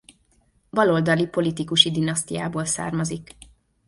Baloldali politikusi dinasztiából származik.